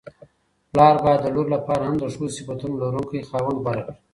پلار بايد د لور لپاره هم د ښو صفتونو لرونکی خاوند غوره کړي!